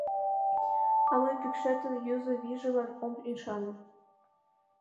А мый пӱкшетын юзо вийжылан ом ӱшане.